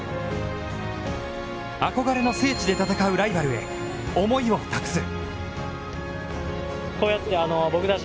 憧れの聖地で戦うライバルへ思いを託す。